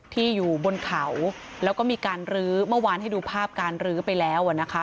ที่อยู่บนเขาแล้วก็มีการลื้อเมื่อวานให้ดูภาพการรื้อไปแล้วนะคะ